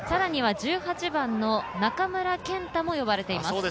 １８番の中村健太も呼ばれています。